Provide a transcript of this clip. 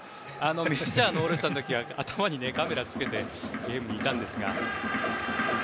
メジャーのオールスターの時は頭にカメラをつけてゲームにいたんですが。